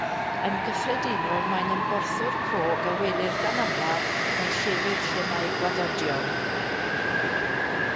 Yn gyffredinol mae'n ymborthwr crog a welir gan amlaf mewn llefydd lle mae gwaddodion.